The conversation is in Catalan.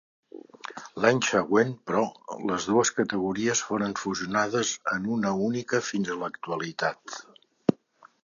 L'any següent, però, les dues categories foren fusionades en una única fins a l'actualitat.